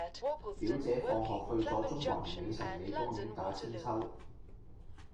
表姐放學去左中環美臣里公園打韆鞦